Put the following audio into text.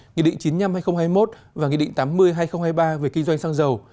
nghị định chín mươi năm hai nghìn hai mươi một và nghị định tám mươi hai nghìn hai mươi ba về kinh doanh xăng dầu